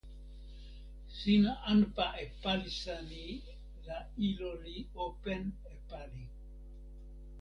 sina anpa e palisa ni la ilo li open e pali.